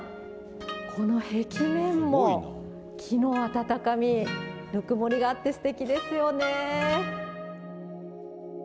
この壁面も、木の温かみ、ぬくもりがあって、すてきですよねぇ。